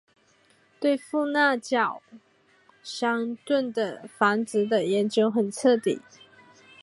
对富纳角箱鲀的繁殖的研究很彻底。